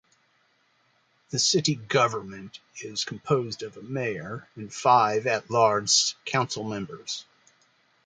The city government is composed of a mayor and five at-large council members.